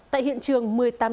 tại hiện trường một mươi tám b